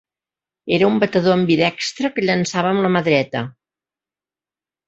Era un batedor ambidextre que llençava amb la mà dreta.